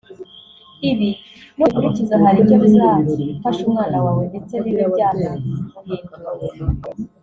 Ibi nubikurikiza hari icyo bizafasha umwana wawe ndetse bibe byanamuhindura